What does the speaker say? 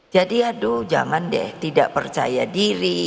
jadi aduh jangan deh tidak percaya diri